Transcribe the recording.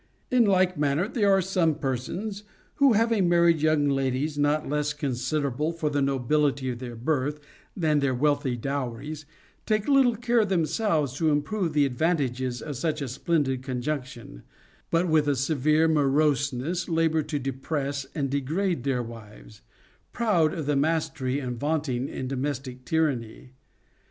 In like manner there are CONJUGAL PRECEPTS. 489 some persons who, having married young ladies not less considerable for the nobility of their birth than their wealthy dowries, take little care themselves to improve the advan tages of such a splendid conjunction, but with a severe moroseness labor to depress and degrade their wives, proud of the mastery and vaunting in domestic tyranny.